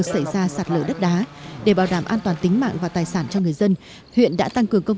xảy ra sạt lở đất đá để bảo đảm an toàn tính mạng và tài sản cho người dân huyện đã tăng cường công